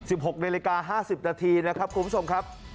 ๑๖นิดนาที๕๐นาทีนะครับคุณผู้ชมครับ